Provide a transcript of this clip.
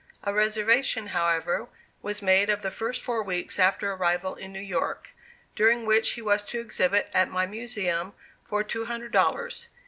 A reservation, however, was made of the first four weeks after our arrival in New York, during which he was to exhibit at my Museum for two hundred dollars.